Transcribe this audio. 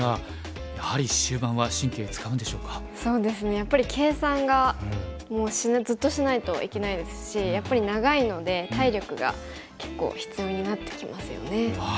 やっぱり計算がもうずっとしないといけないですしやっぱり長いので体力が結構必要になってきますよね。